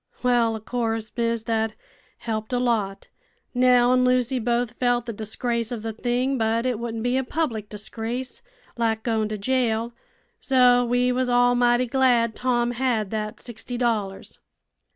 Well o' course, miss, that helped a lot. Nell an' Lucy both felt the disgrace of the thing, but it wouldn't be a public disgrace, like goin' to jail; so we was all mighty glad Tom had that sixty dollars."